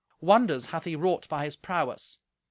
Wonders hath he wrought by his prowess.